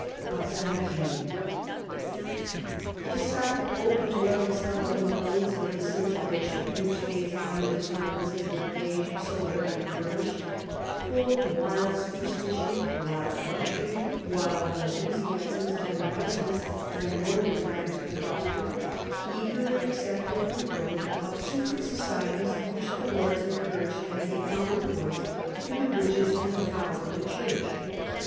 of S. Gilles. The south, open to every subtle influence of disin tegration which the Italian disturbances of the age so readily furnished, full of wild superstition, wild luxury, wilder enthusiasms and licence than Northern France could foster, eagerly accepted the growth of secret societies, which the lords encouraged as a counterpoise to the riches and the power of the church.